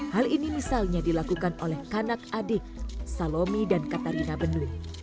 hal ini misalnya dilakukan oleh kanak adik salomi dan katarina benu